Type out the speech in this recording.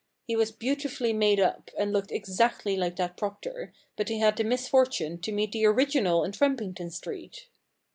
He was beautifully made up, and looked exactly like that proctor, but he had the misfortune to meet the original in Trump ington Street.